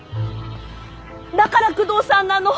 だから久遠さんなの！